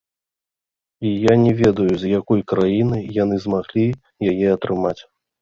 І я не ведаю, з якой краіны яны змаглі яе атрымаць.